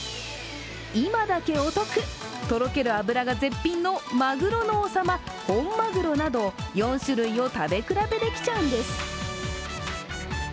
今だけお得、とろける脂が絶品のまぐろの王様、本まぐろなど４種類を食べ比べできちゃうんです